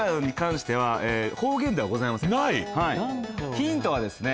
ヒントはですね